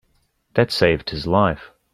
That saved his life.